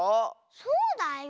そうだよ。